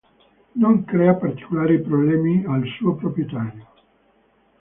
Non crea particolari problemi al suo proprietario.